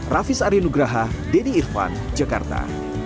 rafis arya nugraha denny irfan jakarta